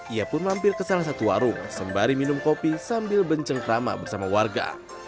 ia pun mampir ke salah satu warung sembari minum kopi sambil bencengkrama bersama warga